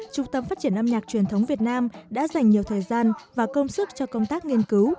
trung tâm phát triển âm nhạc truyền thống việt nam đã dành nhiều thời gian và công sức cho công tác nghiên cứu